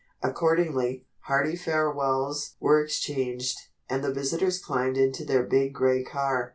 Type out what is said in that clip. Accordingly, hearty farewells were exchanged, and the visitors climbed into their big gray car.